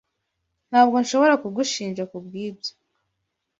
Ntabwo nshobora kugushinja kubwibyo